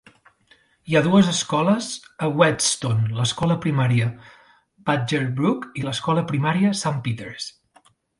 Hi ha dues escoles a Whetstone: l'escola primària Badgerbrook i l'escola primària Saint Peters.